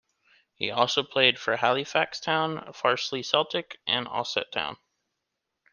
He also played for Halifax Town, Farsley Celtic and Ossett Town.